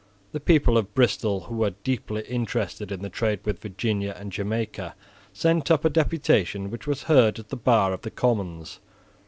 The people of Bristol, who were deeply interested in the trade with Virginia and Jamaica, sent up a deputation which was heard at the bar of the Commons.